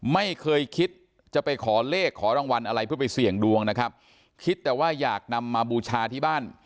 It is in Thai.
ไม่เคยคิดจะไปขอเลขขอรางวัลอะไรเพื่อไปเสี่ยงดวงนะครับคิดแต่ว่าอยากนำมาบูชาที่บ้าน